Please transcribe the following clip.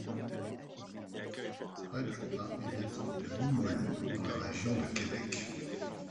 Fred Jourdain est natif de Limoilou, dans la région de Québec.